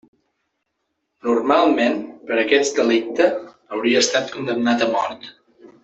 Normalment, per aquest delicte hauria estat condemnat a mort.